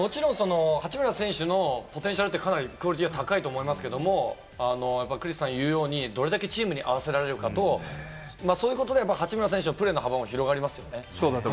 もちろんその八村選手のポテンシャルってクオリティーは高いと思いますけれど、クリスさんが言うように、どれだけチームに合わせられるかと、そういうことで八村選手はプレーの幅も広がりますよね。